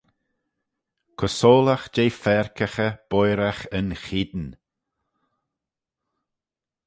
Cosoylagh jeh faarkaghey boiragh yn cheayn.